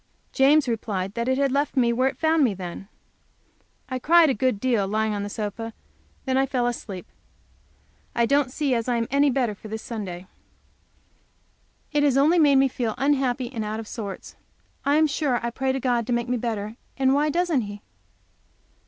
James replied that it had left me where it found me, then. I cried a good while, lying on the sofa, and then I fell asleep. I don't see as I am any the better for this Sunday, it has only made me feel unhappy and out of sorts. I am sure I pray to God to make me better, and why doesn't He?